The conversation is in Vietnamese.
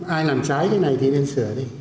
ai làm trái cái này thì nên sửa đi